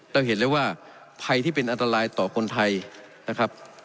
เราเห็นเลยว่าภัยที่เป็นอันตรายต่อคนไทยนะครับ